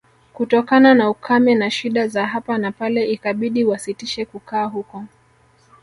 Kutokana na ukame na shida za hapa na pale ikabidi wasitishe kukaa huko